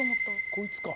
こいつか。